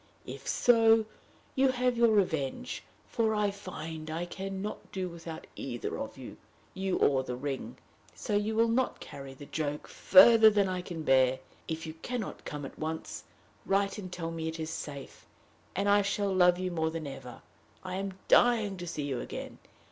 If so, you have your revenge, for I find I can not do without either of you you or the ring so you will not carry the joke further than I can bear. If you can not come at once, write and tell me it is safe, and I shall love you more than ever. I am dying to see you again.